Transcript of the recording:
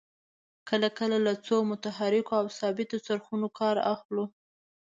کله کله له څو متحرکو او ثابتو څرخونو کار اخلو.